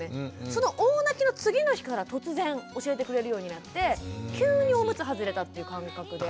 その大泣きの次の日から突然教えてくれるようになって急におむつ外れたっていう感覚で。